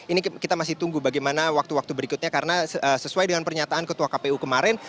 ini kita masih tunggu bagaimana waktu waktu berikutnya karena sesuai dengan pernyataan ketua kpu kemarin